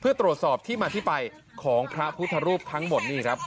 เพื่อตรวจสอบมาที่ไปของพระพุทธรูปทั้งหมด